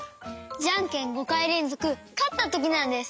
ジャンケン５かいれんぞくかったときなんです！